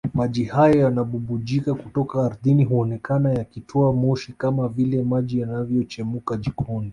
Maji hayo yanayobubujika kutoka ardhini huonekana yakitoa moshi kama vile maji yanayochemka jikoni